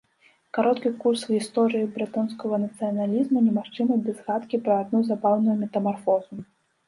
Кароткі курс гісторыі брэтонскага нацыяналізму немагчымы без згадкі пра адну забаўную метамарфозу.